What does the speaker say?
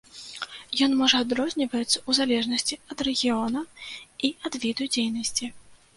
Ён можа адрозніваецца ў залежнасці ад рэгіёна і ад віду дзейнасці.